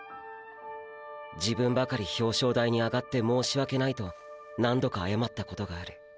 自分ばかり表彰台に上がって申し訳ないと何度か謝ったことがある。